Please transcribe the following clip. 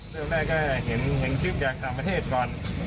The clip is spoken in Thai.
เริ่มแรกก็เห็นคลิปจากต่างประเทศก่อน